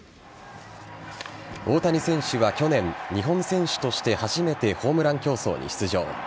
大谷選手は去年日本選手として初めてホームラン競争に出場。